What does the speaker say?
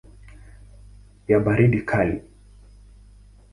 ya baridi kali.